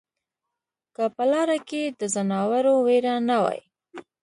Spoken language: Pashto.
که په لاره کې د ځناورو وېره نه وای